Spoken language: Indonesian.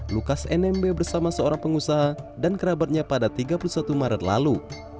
lukas nmb bersama seorang pengusaha dan kerabatnya pada tiga puluh satu maret lalu